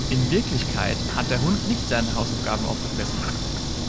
In Wirklichkeit hat der Hund nicht seine Hausaufgaben aufgefressen.